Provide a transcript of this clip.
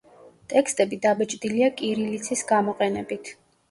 ტექსტები დაბეჭდილია კირილიცის გამოყენებით.